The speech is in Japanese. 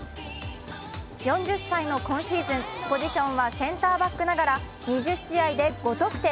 ４０歳の今シーズン、ポジションはセンターバックながら２０試合で５得点。